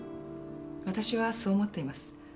わたしはそう思っています。